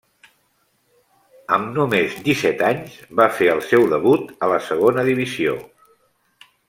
Amb només desset anys va fer el seu debut a la Segona divisió.